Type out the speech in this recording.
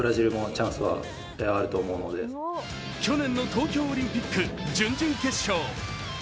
去年の東京オリンピック準々決勝。